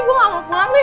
gue gak mau pulang wis